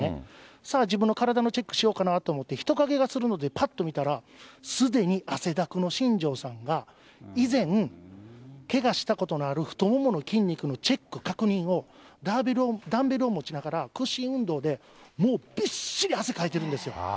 さあ、自分の体のチェックしようかなと思って、人影がするのでパッと見たら、すでに汗だくの新庄さんが以前、けがしたことのある太ももの筋肉のチェック、確認をダンベルを持ちながら屈伸運動でもうびっしり汗かいてるんですよ。